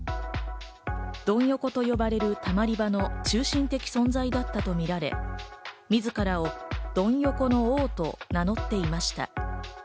ドン横と呼ばれるたまり場の中心的存在だったとみられ、自らをドン横の王と名乗っていました。